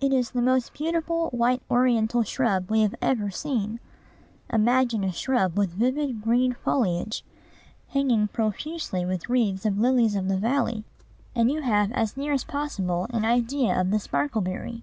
It is the most beautiful white ornamental shrub we have ever seen. Imagine a shrub with vivid green foliage, hanging profusely with wreaths of lilies of the valley, and you have as near as possible an idea of the sparkleberry.